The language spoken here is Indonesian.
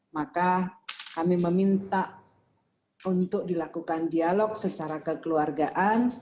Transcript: maka kami meminta untuk dilakukan dialog secara kekeluargaan